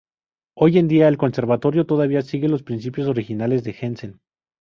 Hoy en día, el Conservatorio todavía sigue los principios originales de Jensen.